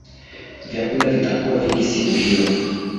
Vyakula vitakua vingi siku hiyo